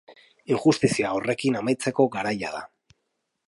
Injustizia horrekin amaitzeko garaia da.